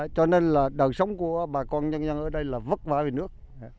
cho nên là đời sống của bà con nhân dân ở đây là vất vả về nước